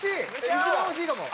一番惜しいと思う。